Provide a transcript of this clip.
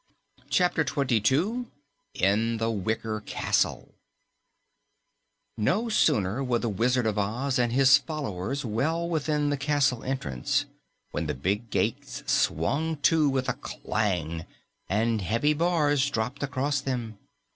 CHAPTER 22 IN THE WICKER CASTLE No sooner were the Wizard of Oz and his followers well within the castle entrance when the big gates swung to with a clang and heavy bars dropped across them.